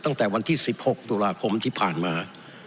ตั้งแต่วันที่๑๖ตุลาคมที่ผ่านมา